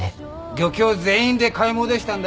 漁協全員で買い戻したんだよ。